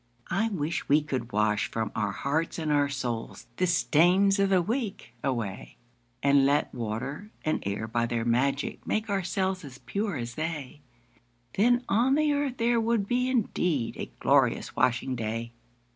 I wish we could wash from our hearts and our souls The stains of the week away, And let water and air by their magic make Ourselves as pure as they; Then on the earth there would be indeed A glorious washing day!